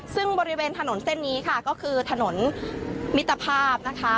ซึ่งบริเวณถนนเส้นนี้ค่ะก็คือถนนมิตรภาพนะคะ